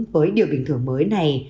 với điều bình thường mới này